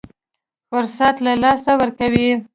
فرصت له لاسه ورکوي.